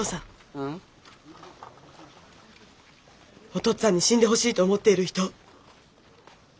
お父っつぁんに死んでほしいと思っている人。